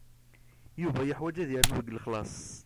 Yuba yeḥwaj ad yernu deg lexlaṣ.